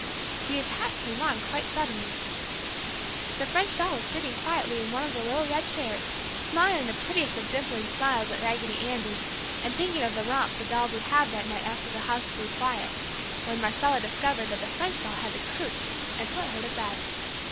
The attack came on quite suddenly. The French doll was sitting quietly in one of the little red chairs, smiling the prettiest of dimpling smiles at Raggedy Andy, and thinking of the romp the dolls would have that night after the house grew quiet, when Marcella discovered that the French doll had the "croup" and put her to bed.